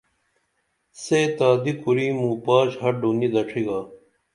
سے تادی کُری موں پاش ہڈو نی دڇھی گا